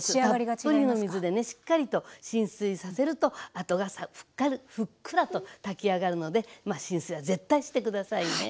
たっぷりの水でねしっかりと浸水させるとあとがふっくらと炊き上がるのでまあ浸水は絶対して下さいね。